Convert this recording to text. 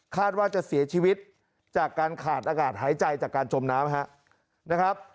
ว่าจะเสียชีวิตจากการขาดอากาศหายใจจากการจมน้ำนะครับ